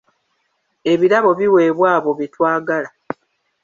Ebirabo biweebwa abo be twagala.